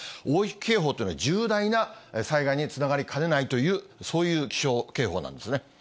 大雪警報というのは、重大な災害につながりかねないという、そういう気象警報なんですね。